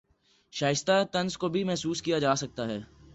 شائستہ طنز کو بھی محسوس کیا جاسکتا ہے